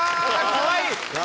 かわいい。